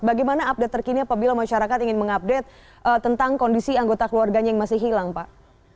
bagaimana update terkini apabila masyarakat ingin mengupdate tentang kondisi anggota keluarganya yang masih hilang pak